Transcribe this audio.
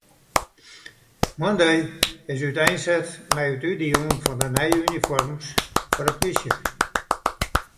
Moandei is úteinset mei it útdielen fan de nije unifoarms foar de polysje.